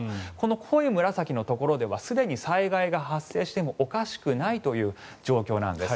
濃い紫のところではすでに災害が発生してもおかしくない状況なんです。